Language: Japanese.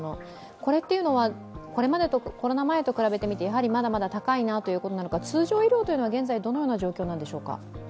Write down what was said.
これはコロナ前と比べてみてまだまだ高いなということなのか通常医療というのは現在どのような状況なんでしょうか？